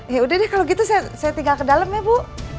ya udah deh kalau gitu saya tinggal ke dalam ya bu